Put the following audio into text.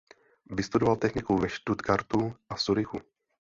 Vystudoval techniku ve Stuttgartu a Curychu.